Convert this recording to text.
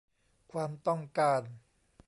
ความต้องการ